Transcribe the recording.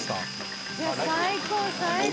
最高最高。